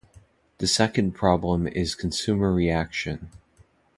The second problem is consumer reaction.